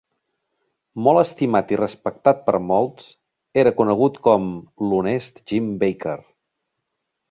Molt estimat i respectat per molts, era conegut com "l'honest Jim Baker".